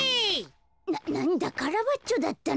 なんだカラバッチョだったのか。